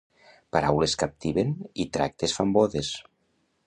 Paraules captiven i tractes fan bodes.